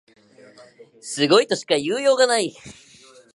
すごいとしか言いようがない